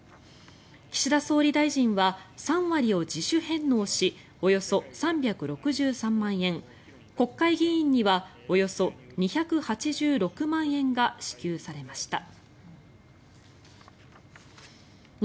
岸田総理大臣は３割を自主返納しおよそ３６３万円国会議員にはおよそ２８６万円が支給されました。